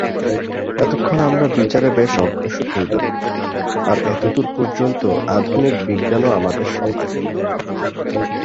এতক্ষণ আমরা বিচারে বেশ অগ্রসর হইলাম, আর এতদূর পর্যন্ত আধুনিক বিজ্ঞানও আমাদের সহায়।